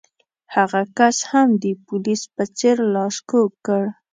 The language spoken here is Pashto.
هغه کس هم د پولیس په څېر لاس کوږ کړ.